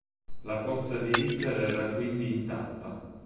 La forza di Ritter era quindi intatta.